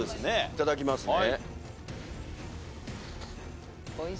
いただきますね。